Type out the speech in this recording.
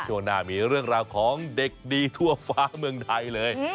ช่วงหน้ามีเรื่องราวของเด็กดีทั่วฟ้าเมืองไทยเลย